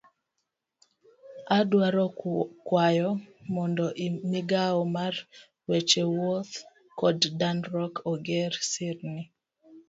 Adwaro kwayo mondo migao mar weche wuoth kod dongruok oger sirni.